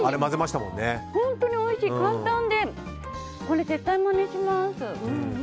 本当においしい、簡単で。これ絶対まねします。